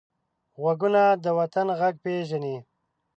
غوږونه د وطن غږ پېژني